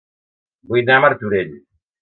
Vull anar a Martorell